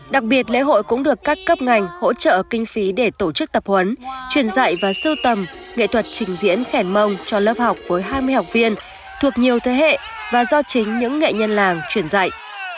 đặc biệt lễ hội cũng được các cấp ngành hỗ trợ kinh phí để tổ chức tập huấn truyền dạy và sưu tầm nghệ thuật trình diễn khẻn mông cho lớp học với hai mươi học viên thuộc nhiều thế hệ và do chính những nghệ nhân làng truyền dạy